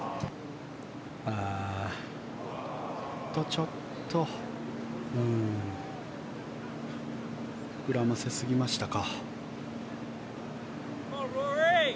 ちょっと膨らませすぎましたか。